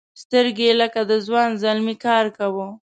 سترګو یې لکه د ځوان زلمي کار کاوه.